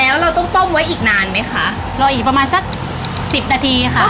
เพราะว่ายังมีอีกหลากหลายเมนูเดี๋ยวไปชิมกันค่ะจ้าว